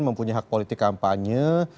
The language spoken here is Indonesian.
mempunyai hak politik kampanye